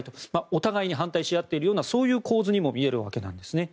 お互いに反対し合っているようなそういう構図にも見えるわけです。